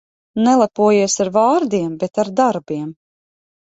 Nelepojies ar vārdiem, bet ar darbiem.